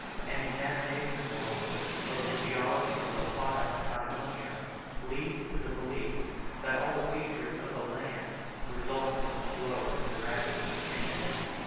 An examination, moreover, of the geology of La Plata and Patagonia, leads to the belief that all the features of the land result from slow and gradual changes.